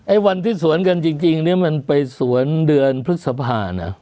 วันที่สวนกันจริงเนี่ยมันไปสวนเดือนพฤษภานะ